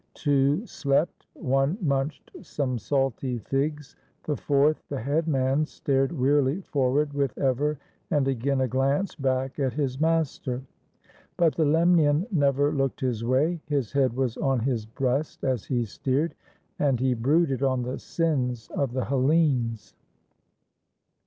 Two slept; one munched some salty * Riotousness. 92 THE LEMNIAN: A STORY OF THERMOPYL^ figs; the fourth, the headman, stared wearily forward with ever and again a glance back at his master. But the Lemnian never looked his way. His head was on his breast as he steered, and he brooded on the sins of the Hellenes.